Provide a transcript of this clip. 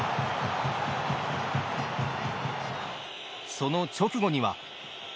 その直後には。